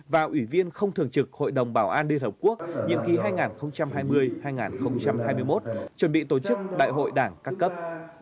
và ủy viên không thường trực hội đồng bảo an liên hợp quốc nhiệm ký hai nghìn hai mươi hai nghìn hai mươi một chuẩn bị tổ chức đại hội đảng các cấp